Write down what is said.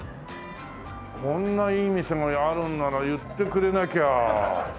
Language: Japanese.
こんないい店があるんなら言ってくれなきゃ。